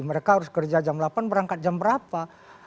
mereka harus kerja jam delapan berangkat jam berapa